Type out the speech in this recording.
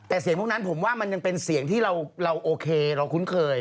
แต่เสียงพวกนั้นผมว่ามันยังเป็นเสียงที่เราโอเคเราคุ้นเคย